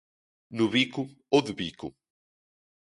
No bico ou de bico